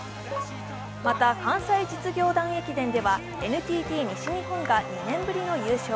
また、関西実業団駅伝ではＮＴＴ西日本が２年ぶりの優勝。